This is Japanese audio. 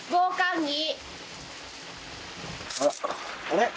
あっ。